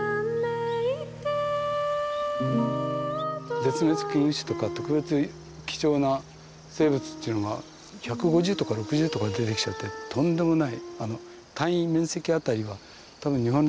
絶滅危惧種とか特別貴重な生物っていうのが１５０とか６０とか出てきちゃってとんでもない。